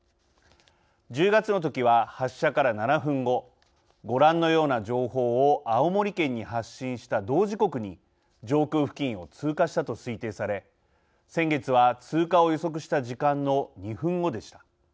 １０月の時は発射から７分後ご覧のような情報を青森県に発信した同時刻に上空付近を通過したと推定され先月は、通過を予測した時間の２分後でした。